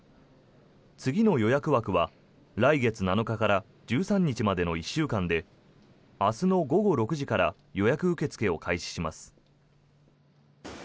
次の予約枠は来月７日から１３日までの１週間で明日の午後６時から予約受け付けを開始します。